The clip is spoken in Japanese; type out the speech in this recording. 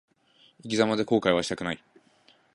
生き様で後悔はしたくない。